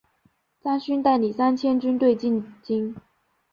张勋带领三千军队进京。